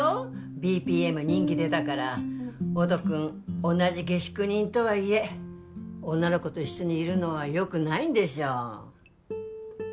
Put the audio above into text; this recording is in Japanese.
ＢＰＭ人気出たから音くん同じ下宿人とはいえ女の子と一緒にいるのはよくないんでしょう？